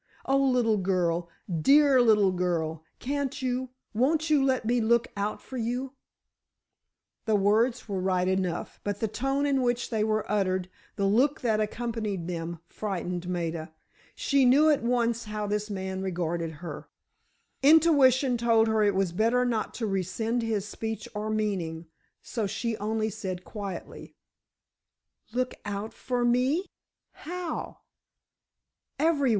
Oh, little girl, dear little girl—can't you—won't you let me look out for you——" The words were right enough, but the tone in which they were uttered, the look that accompanied them, frightened Maida. She knew at once how this man regarded her. Intuition told her it was better not to resent his speech or meaning, so she only said, quietly: "Look out for me—how?"